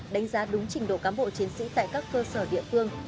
đánh giá đúng trình độ cán bộ chiến sĩ tại các cơ sở địa phương